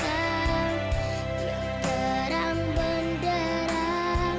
yang terang benderang